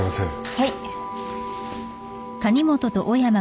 はい。